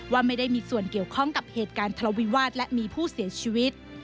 ว่าไม่ได้มีส่วนเกี่ยวข้องกับเหตุการณ์ทะเลาวิวาสและมีผู้เสียชีวิต